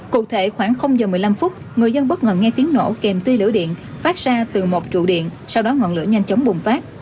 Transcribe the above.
cụ thể khoảng giờ một mươi năm phút người dân bất ngờ nghe tiếng nổ kèm tư lửa điện phát ra từ một trụ điện sau đó ngọn lửa nhanh chóng bùng phát